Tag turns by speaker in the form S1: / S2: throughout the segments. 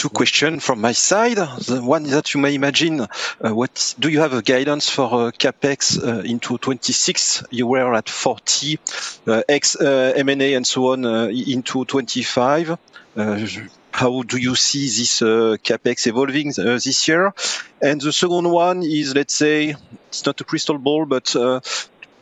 S1: Two questions from my side. The one that you may imagine, do you have a guidance for CapEx into 2026? You were at 40 million ex M&A and so on into 2025. How do you see this CapEx evolving this year? The second one is, let's say, it's not a crystal ball, but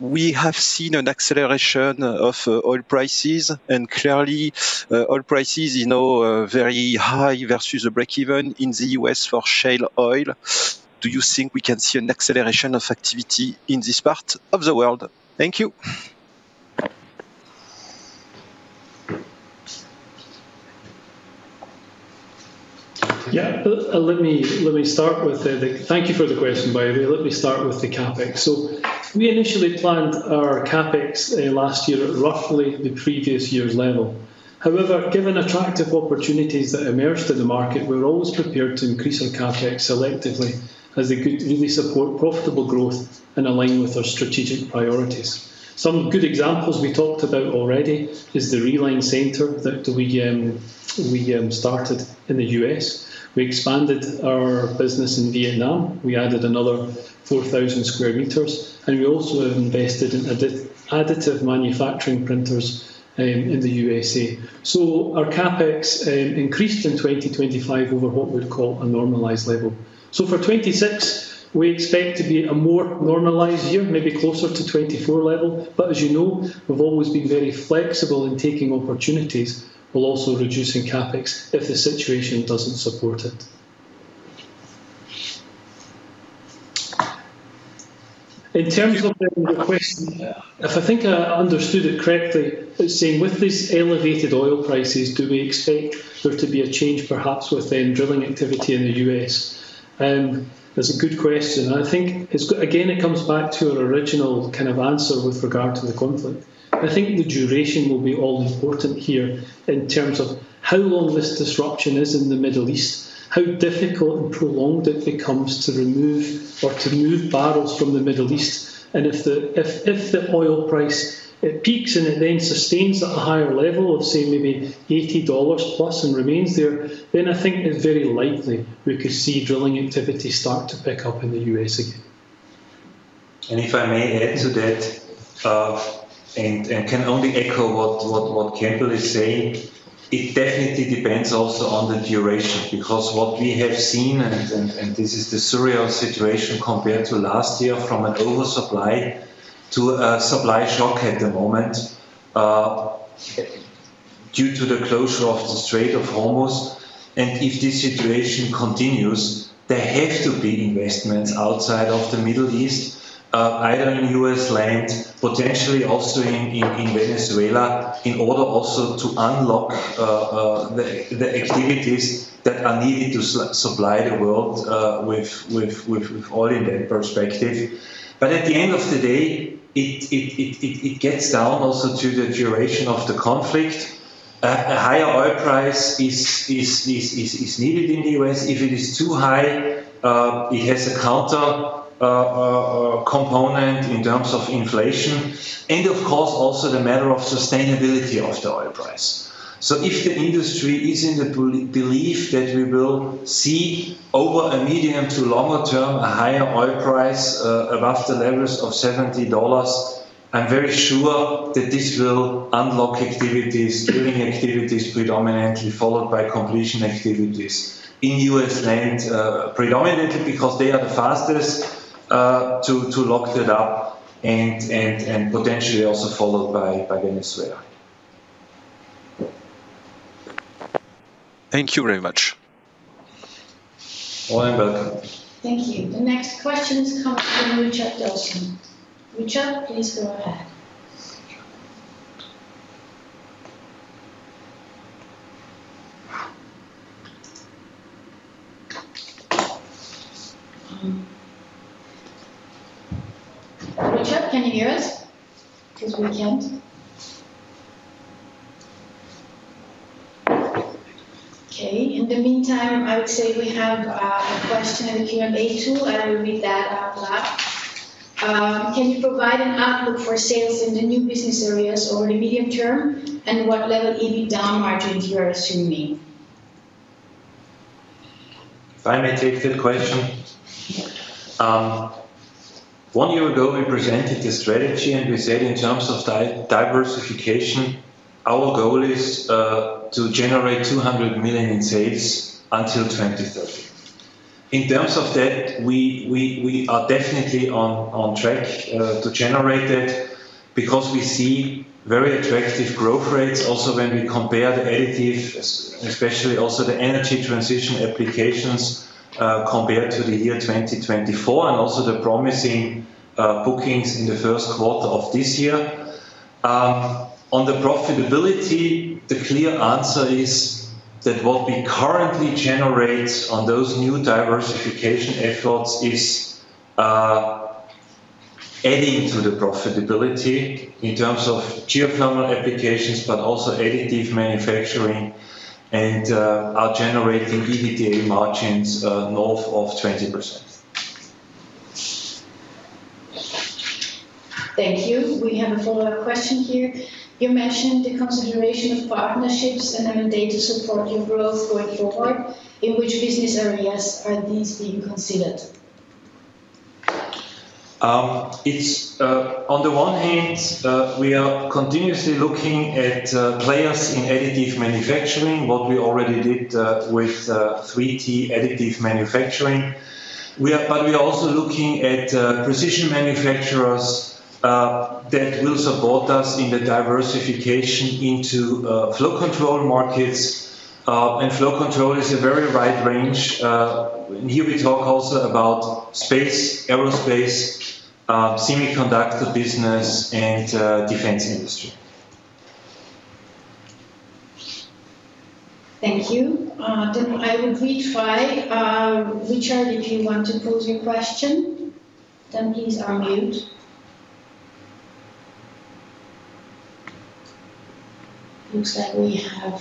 S1: we have seen an acceleration of oil prices, and clearly oil prices you know are very high versus the breakeven in the U.S. for shale oil. Do you think we can see an acceleration of activity in this part of the world? Thank you.
S2: Yeah. Let me start with the CapEx. Thank you for the question, by the way. Let me start with the CapEx. We initially planned our CapEx last year at roughly the previous year's level. However, given attractive opportunities that emerged in the market, we were always prepared to increase our CapEx selectively as they could really support profitable growth and align with our strategic priorities. Some good examples we talked about already is the reline center that we started in the US. We expanded our business in Vietnam. We added another 4,000 square meters, and we also have invested in additive manufacturing printers in the U.S. Our CapEx increased in 2025 over what we'd call a normalized level. For 2026, we expect to be a more normalized year, maybe closer to 2024 level. As you know, we've always been very flexible in taking opportunities while also reducing CapEx if the situation doesn't support it. In terms of the question, if I think I understood it correctly, it's saying with these elevated oil prices, do we expect there to be a change perhaps with the drilling activity in the U.S.? That's a good question. I think it's again, it comes back to our original kind of answer with regard to the conflict. I think the duration will be all-important here in terms of how long this disruption is in the Middle East, how difficult and prolonged it becomes to remove or to move barrels from the Middle East. If the oil price peaks and it then sustains at a higher level of, say, maybe $80 plus and remains there, then I think it's very likely we could see drilling activity start to pick up in the U.S. again.
S3: If I may add to that, can only echo what Campbell is saying, it definitely depends also on the duration. Because what we have seen, this is the surreal situation compared to last year, from an oversupply to a supply shock at the moment, due to the closure of the Strait of Hormuz. If this situation continues, there have to be investments outside of the Middle East, either in U.S. land, potentially also in Venezuela, in order also to unlock the activities that are needed to supply the world with oil in that perspective. At the end of the day, it gets down also to the duration of the conflict. A higher oil price is needed in the U.S. If it is too high, it has a counter component in terms of inflation, and of course, also the matter of sustainability of the oil price. If the industry is in the belief that we will see over a medium to longer term, a higher oil price, above the levels of $70, I'm very sure that this will unlock activities, drilling activities predominantly, followed by completion activities in U.S. land, predominantly because they are the fastest, to lock that up and potentially also followed by Venezuela.
S1: Thank you very much.
S3: Oh, you're welcome.
S4: Thank you. The next question is coming from Richard Dawson. Richard, please go ahead. Richard, can you hear us? 'Cause we can't. Okay, in the meantime, I would say we have a question in the Q&A tool, and I will read that out loud. Can you provide an outlook for sales in the new business areas over the medium term, and what level EBITDA margins you are assuming?
S3: If I may take that question.
S4: Yeah.
S3: One year ago, we presented a strategy, and we said in terms of diversification, our goal is to generate 200 million in sales until 2030. In terms of that, we are definitely on track to generate it because we see very attractive growth rates also when we compare the additive, especially also the energy transition applications, compared to the year 2024 and also the promising bookings in the first quarter of this year. On the profitability, the clear answer is that what we currently generate on those new diversification efforts is adding to the profitability in terms of geothermal applications, but also additive manufacturing and are generating EBITDA margins north of 20%.
S4: Thank you. We have a follow-up question here. You mentioned the consideration of partnerships and M&A to support your growth going forward. In which business areas are these being considered?
S3: It's on the one hand, we are continuously looking at players in additive manufacturing, what we already did with 3T Additive Manufacturing. We are also looking at precision manufacturers that will support us in the diversification into flow control markets. Flow control is a very wide range. Here we talk also about space, aerospace, semiconductor business and defense industry.
S4: Thank you. I will retry. Richard, if you want to pose your question, then please unmute. Looks like we have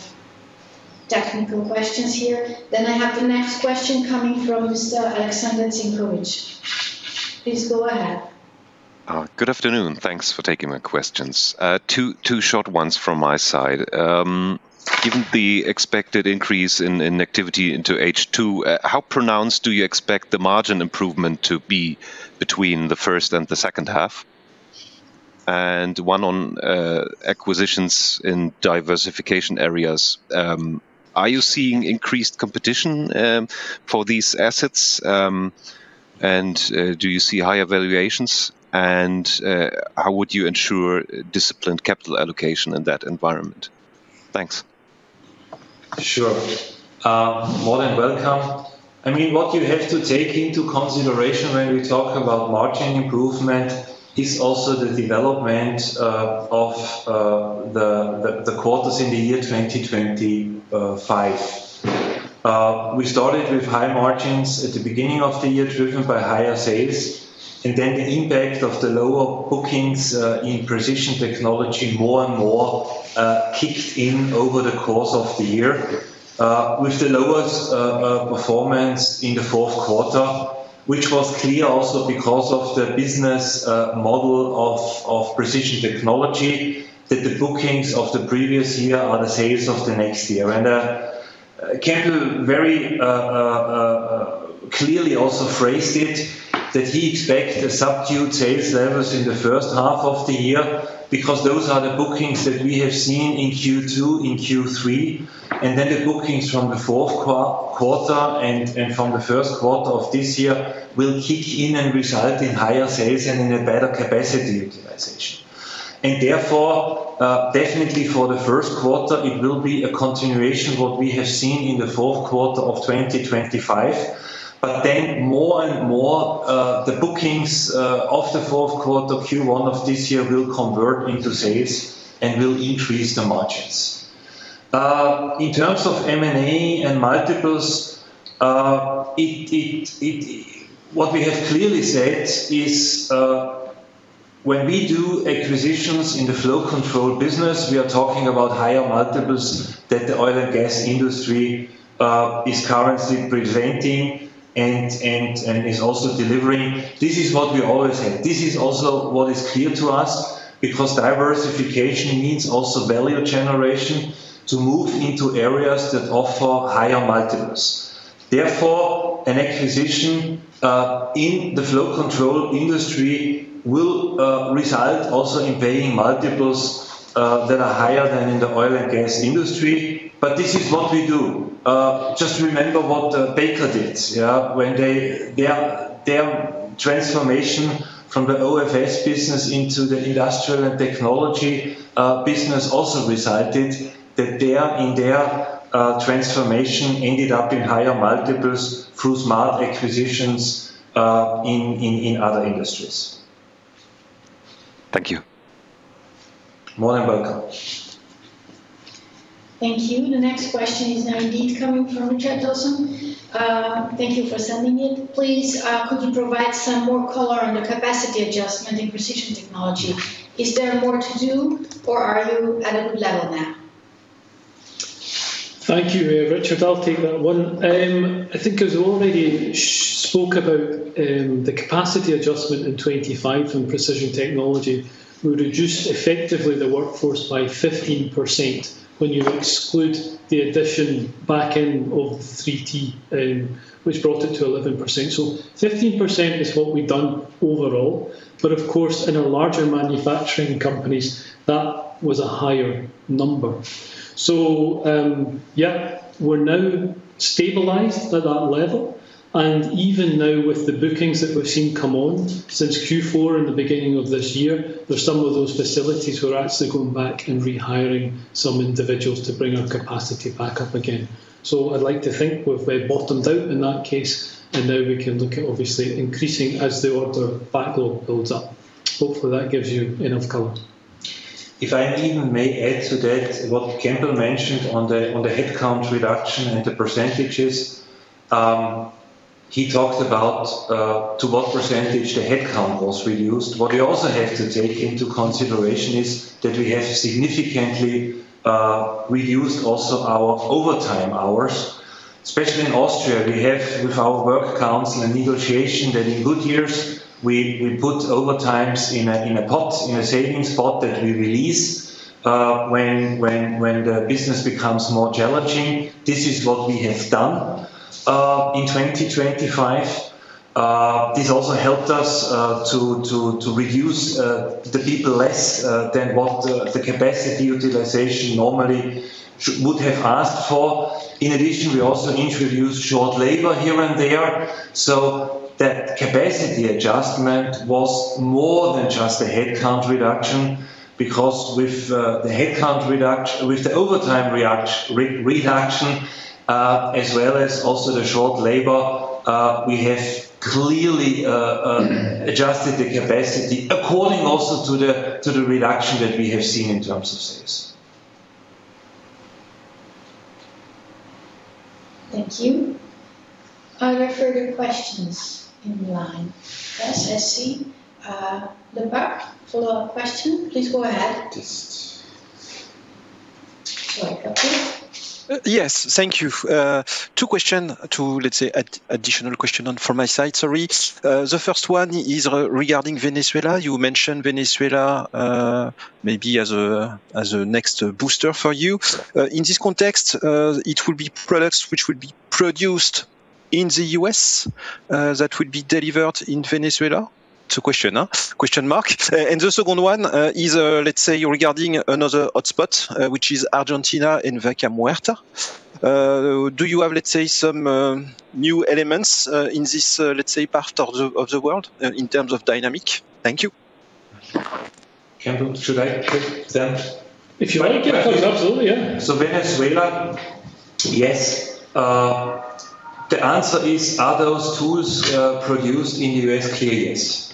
S4: technical questions here. I have the next question coming from Mr. Alexander Sinkovits. Please go ahead.
S5: Good afternoon. Thanks for taking my questions. Two short ones from my side. Given the expected increase in activity into H2, how pronounced do you expect the margin improvement to be between the first and the second half? One on acquisitions in diversification areas. Are you seeing increased competition for these assets? Do you see higher valuations? How would you ensure disciplined capital allocation in that environment? Thanks.
S3: Sure. More than welcome. I mean, what you have to take into consideration when we talk about margin improvement is also the development of the quarters in the year 2025. We started with high margins at the beginning of the year, driven by higher sales. Then the impact of the lower bookings in Precision Technology more and more kicked in over the course of the year with the lowest performance in the fourth quarter, which was clear also because of the business model of Precision Technology, that the bookings of the previous year are the sales of the next year. Campbell very clearly also phrased it that he expects the subdued sales levels in the first half of the year because those are the bookings that we have seen in Q2, in Q3. Then the bookings from the fourth quarter and from the first quarter of this year will kick in and result in higher sales and in a better capacity utilization. Therefore, definitely for the first quarter, it will be a continuation of what we have seen in the fourth quarter of 2025. Then more and more, the bookings of the fourth quarter, Q1 of this year will convert into sales and will increase the margins. In terms of M&A and multiples, what we have clearly said is, when we do acquisitions in the flow control business, we are talking about higher multiples than the oil and gas industry is currently presenting and is also delivering. This is what we always said. This is also what is clear to us because diversification needs also value generation to move into areas that offer higher multiples. Therefore, an acquisition in the flow control industry will result also in paying multiples that are higher than in the oil and gas industry. This is what we do. Just remember what Baker did, yeah. Their transformation from the OFS business into the industrial and technology business also resulted in higher multiples through smart acquisitions in other industries.
S5: Thank you.
S3: More than welcome.
S4: Thank you. The next question is now indeed coming from Richard Dawson. Thank you for sending it. Please, could you provide some more color on the capacity adjustment in Precision Technology? Is there more to do or are you at a good level now?
S2: Thank you, Richard. I'll take that one. I think as we already spoke about, the capacity adjustment in 2025 in Precision Technology, we reduced effectively the workforce by 15% when you exclude the addition back in of 3T, which brought it to 11%. 15% is what we've done overall. Of course, in our larger manufacturing companies, that was a higher number. Yeah, we're now stabilized at that level. Even now with the bookings that we've seen come on since Q4 and the beginning of this year, there's some of those facilities we're actually going back and rehiring some individuals to bring our capacity back up again. I'd like to think we've bottomed out in that case, and now we can look at obviously increasing as the order backlog builds up. Hopefully, that gives you enough color.
S3: If I even may add to that, what Campbell mentioned on the headcount reduction and the percentages, he talked about to what percentage the headcount was reduced. What we also have to take into consideration is that we have significantly reduced also our overtime hours. Especially in Austria, we have with our work council and negotiation that in good years we put overtimes in a pot, in a savings pot that we release when the business becomes more challenging. This is what we have done in 2025. This also helped us to reduce the people less than what the capacity utilization normally would have asked for. In addition, we also introduced short-time work here and there, so that capacity adjustment was more than just a headcount reduction because with the headcount reduction, with the overtime reduction, as well as also the short-time work, we have clearly adjusted the capacity according also to the reduction that we have seen in terms of sales.
S4: Thank you. Are there further questions in line? Yes, I see. Baptiste Lebacq, your question, please go ahead.
S1: Yes.
S4: Go ahead, Baptiste.
S1: Yes. Thank you. Two, let's say, additional questions from my side. Sorry. The first one is regarding Venezuela. You mentioned Venezuela, maybe as a next booster for you. In this context, it will be products which will be produced in the U.S. that will be delivered in Venezuela? It's a question mark. The second one is, let's say, regarding another hotspot, which is Argentina and Vaca Muerta. Do you have, let's say, some new elements in this, let's say, part of the world, in terms of dynamics? Thank you.
S3: Campbell, should I take them?
S2: If you like, yeah. Absolutely, yeah.
S3: Venezuela, yes. The answer is, are those tools produced in the U.S.? Clearly, yes.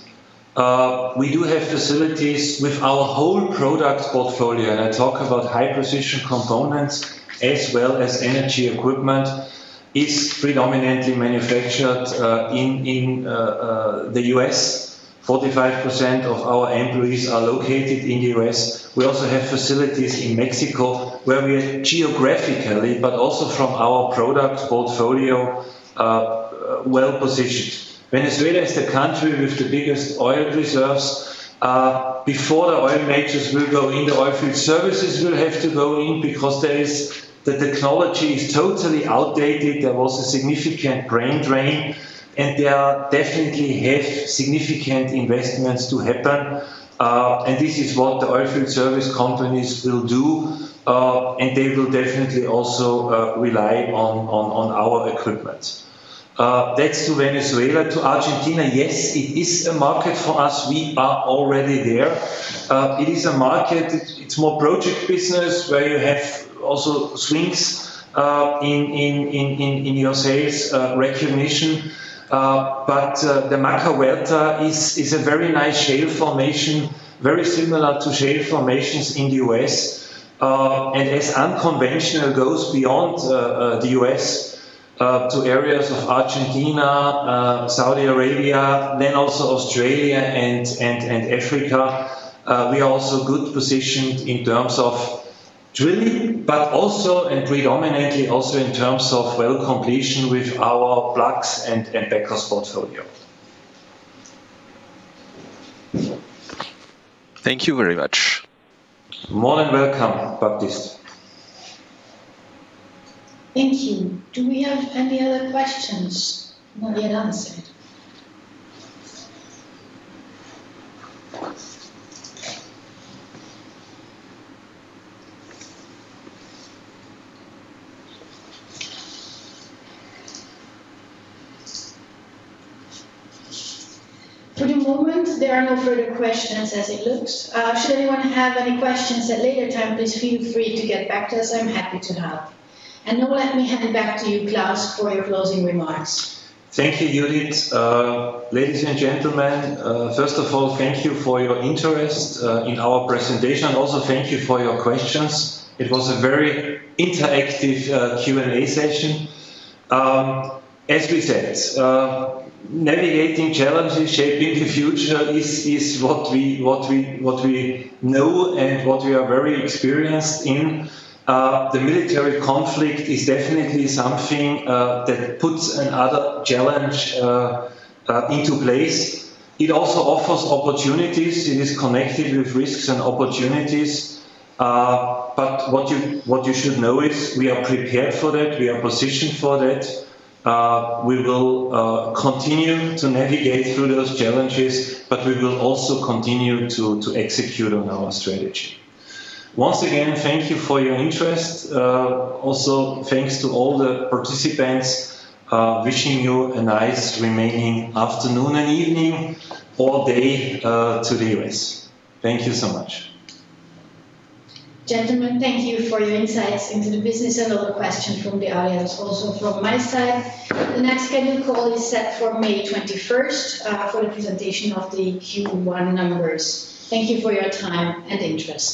S3: We do have facilities with our whole product portfolio, and I talk about high-precision components as well as energy equipment is predominantly manufactured in the U.S. 45% of our employees are located in the U.S. We also have facilities in Mexico where we are geographically, but also from our product portfolio, well-positioned. Venezuela is the country with the biggest oil reserves. Before the oil majors will go in, the oilfield services will have to go in because the technology is totally outdated. There was a significant brain drain, and they definitely have significant investments to happen. This is what the oilfield service companies will do. They will definitely also rely on our equipment. That's to Venezuela. To Argentina, yes, it is a market for us. We are already there. It is a market. It's more project business where you have also swings in your sales recognition. The Vaca Muerta is a very nice shale formation, very similar to shale formations in the U.S. As unconventional goes beyond the U.S. to areas of Argentina, Saudi Arabia, then also Australia and Africa, we are also well positioned in terms of drilling, but also predominantly in terms of well completion with our plugs and packers portfolio.
S1: Thank you very much.
S3: More than welcome, Baptiste.
S4: Thank you. Do we have any other questions not yet answered? For the moment, there are no further questions as it looks. Should anyone have any questions at later time, please feel free to get back to us. I'm happy to help. Now let me hand it back to you, Klaus, for your closing remarks.
S3: Thank you, Judith. Ladies and gentlemen, first of all, thank you for your interest in our presentation. Also, thank you for your questions. It was a very interactive Q&A session. As we said, navigating challenges, shaping the future is what we know and what we are very experienced in. The military conflict is definitely something that puts another challenge into place. It also offers opportunities. It is connected with risks and opportunities. What you should know is we are prepared for that. We are positioned for that. We will continue to navigate through those challenges, but we will also continue to execute on our strategy. Once again, thank you for your interest. Also, thanks to all the participants. Wishing you a nice remaining afternoon and evening or day, to the U.S.. Thank you so much.
S4: Gentlemen, thank you for your insights into the business and all the questions from the audience also from my side. The next scheduled call is set for May 21st for the presentation of the Q1 numbers. Thank you for your time and interest.